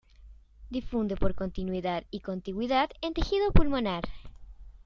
Difunde por continuidad y contigüidad en tejido pulmonar.